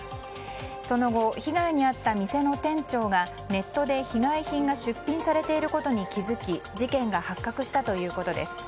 その後、被害に遭った店の店長がネットで被害品が出品されていることに気づき事件が発覚したということです。